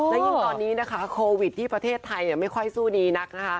และยังตอนนี้โควิดที่ประเทศไทยไม่ค่อยสู้ดีนัก